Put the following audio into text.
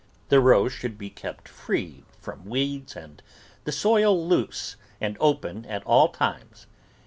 The rows should be kept free from weeds and the soil loose and open at all times.